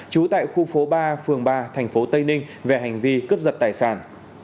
trú tại khu phố ba phường ba thành phố tây ninh về hành vi cướp giật tài sản